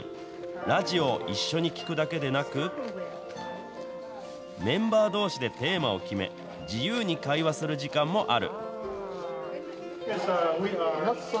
ラジオを一緒に聴くだけでなく、メンバーどうしでテーマを決め、自由に会話する時間もある。